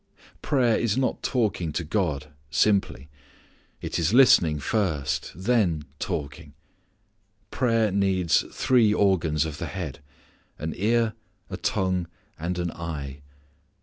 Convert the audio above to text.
_ Prayer is not talking to God simply. It is listening first, then talking. Prayer needs three organs of the head, an ear, a tongue and an eye.